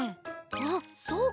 あっそうか。